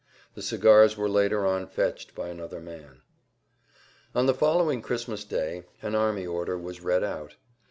The cigars were later on fetched by another man. [Pg 163]On the following Christmas day an army order was read out.